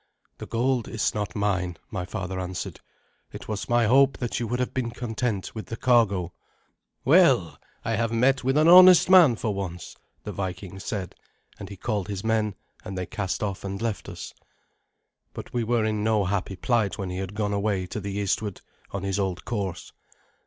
"The gold is not mine," my father answered; "it was my hope that you would have been content with the cargo." "Well, I have met with an honest man for once," the Viking said; and he called his men, and they cast off and left us. But we were in no happy plight when he had gone away to the eastward on his old course.